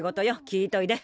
聞いといで。